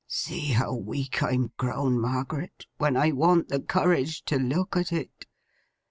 'See how weak I'm grown, Margaret, when I want the courage to look at it!